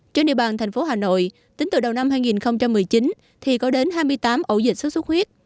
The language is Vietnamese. trên địa bàn thành phố hà nội tính từ đầu năm hai nghìn một mươi chín thì có đến hai mươi tám ổ dịch xuất xuất huyết